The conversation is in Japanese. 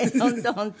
本当。